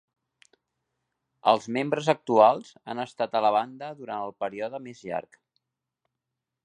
Els membres actuals han estat a la banda durant el període més llarg.